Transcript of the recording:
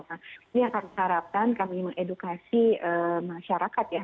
nah ini yang kami harapkan kami mengedukasi masyarakat ya